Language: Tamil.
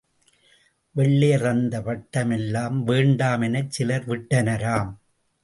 வெள்ளையர் தந்த பட்டமெலாம் வேண்டா மெனச்சிலர் விட்டனராம்.